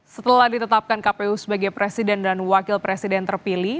setelah ditetapkan kpu sebagai presiden dan wakil presiden terpilih